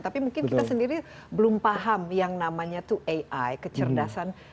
tapi mungkin kita sendiri belum paham yang namanya itu ai kecerdasan